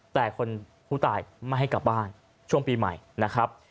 แต่คนผู้ตายไม่ให้กลับบ้านช่วงปีใหม่นะครับ